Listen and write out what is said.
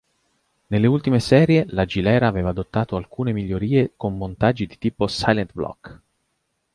Nelle ultime serie, la Gilera aveva adottato alcune migliorie con montaggi di tipo "silent-block".